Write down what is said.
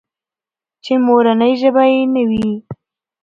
چې مورنۍ ژبه يې نه وي.